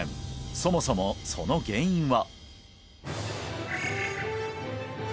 そもそもその原因は？